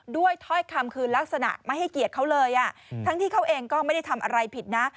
ถ้อยคำคือลักษณะไม่ให้เกียรติเขาเลยทั้งที่เขาเองก็ไม่ได้ทำอะไรผิดนะ